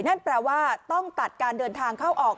นั่นแปลว่าต้องตัดการเดินทางเข้าออก